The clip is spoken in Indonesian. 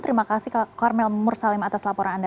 terima kasih karmel mursalim atas laporan anda